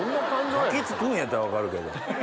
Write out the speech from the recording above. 抱き付くんやったら分かるけど。